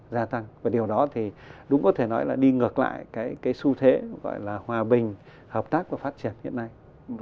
gia tăng và điều đó thì đúng có thể nói là đi ngược lại cái xu thế gọi là hòa bình hợp tác và phát triển hiện nay